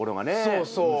そうそう。